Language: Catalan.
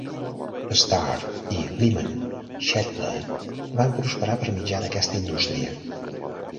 Starr, i Lyman Shettle van prosperar per mitjà d'aquesta indústria.